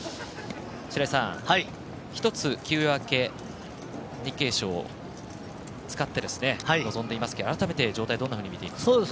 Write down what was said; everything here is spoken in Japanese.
白井さん、ひとつ、休明け日経賞、使って臨んでいますが改めて状態どんなふうに見ていますか？